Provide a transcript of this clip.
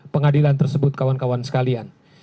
pengadilan tersebut kawan kawan sekalian